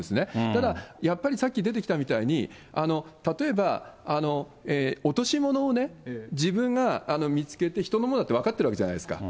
ただ、やっぱりさっき出てきたみたいに、例えば、落とし物を自分が見つけて、人のものだって分かってるわけじゃないですか。